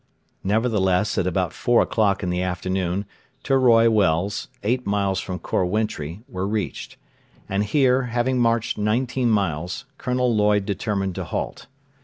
Nevertheless at about four o'clock in the afternoon, Teroi Wells, eight miles from Khor Wintri, were reached; and here, having marched nineteen miles, Colonel Lloyd determined to halt.